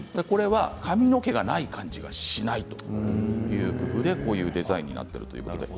髪の毛がない感じがしないということでこのデザインになっているそうです。